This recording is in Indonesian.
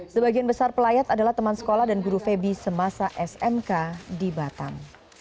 sebagian besar pelayat adalah teman sekolah dan guru febi semasa smk di batam